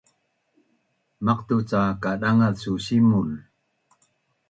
maqtu’ cak kadangaz su simul